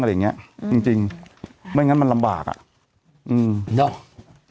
อะไรอย่างเงี้ยจริงจริงไม่งั้นมันลำบากอ่ะอืมเนอะ